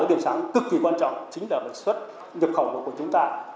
điều sáng cực kỳ quan trọng chính là bật xuất nhập khẩu của chúng ta